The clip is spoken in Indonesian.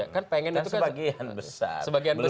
kan sebagian besar